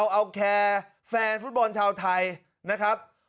เอาแคร์แฟนฟุตบอลชาวไทยนะครับ